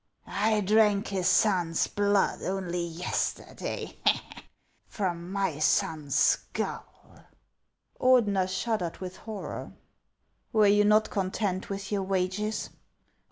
I drank his son's blood only yesterday, from my sou's skull." Ordener shuddered with horror. " Were you not content with your wages